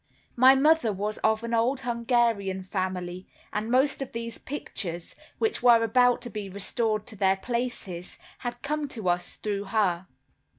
My mother was of an old Hungarian family, and most of these pictures, which were about to be restored to their places, had come to us through her.